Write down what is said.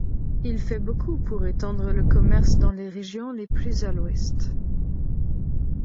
Il fait beaucoup pour étendre le commerce dans les régions les plus à l'ouest.